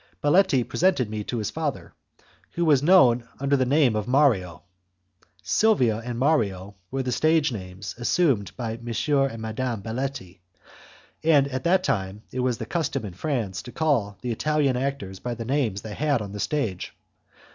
Baletti presented me to his father, who was known under the name of Mario. Silvia and Mario were the stage names assumed by M. and Madame Baletti, and at that time it was the custom in France to call the Italian actors by the names they had on the stage.